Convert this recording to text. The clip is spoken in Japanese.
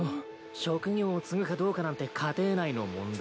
職業を継ぐかどうかなんて家庭内の問題だ。